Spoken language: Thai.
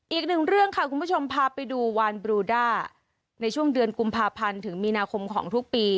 อีกหนึ่งเรื่องค่ะคุณผู้ชมพาไปดูวานบรูด้าในช่วงเดือนกุมภาพันธ์ถึงมีนาคมของทุกปี